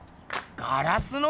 ガラスの？